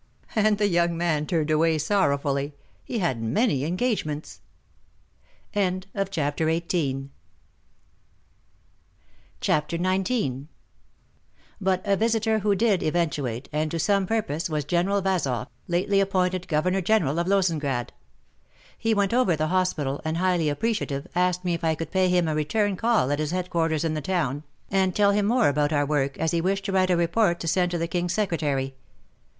" And the young man turned away sorrowfully, — he had many engagements. CHAPTER XIX But a visitor who did eventuate, and to some purpose, was General Vazoff, lately appointed Governor General of Lozengrad. He went over the hospital, and, highly appreciative, asked me if I would pay him a return call at his headquarters in the town, and tell him more about our work, as he wished to write a report to send to the King's Secretary.